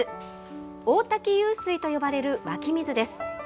大滝湧水と呼ばれる湧き水です。